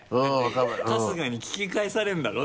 春日に聞き返されるんだろ？